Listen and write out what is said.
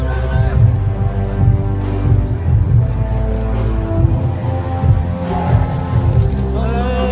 สโลแมคริปราบาล